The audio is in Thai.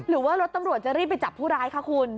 หรือว่ารถตำรวจจะรีบไปจับผู้ร้ายคะคุณ